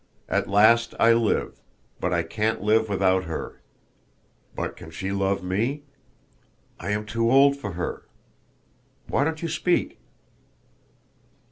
At last I live, but I can't live without her! But can she love me?... I am too old for her.... Why don't you speak?"